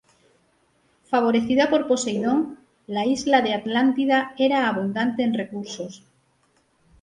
Favorecida por Poseidón, la isla de Atlántida era abundante en recursos.